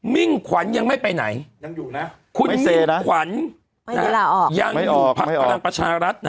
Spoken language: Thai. มิ่งขวัญยังไม่ไปไหนคุณเศรษฐขวัญยังอยู่พักพลังประชารัฐ